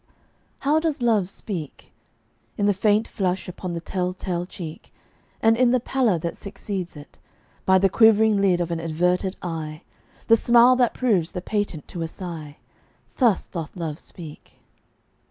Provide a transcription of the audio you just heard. How does Love speak? In the faint flush upon the tell tale cheek, And in the pallor that succeeds it; by The quivering lid of an averted eye The smile that proves the patent to a sigh Thus doth Love speak.